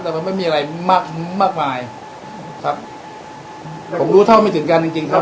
แต่มันไม่มีอะไรมากมากมายครับผมรู้เท่าไม่ถึงกันจริงจริงครับ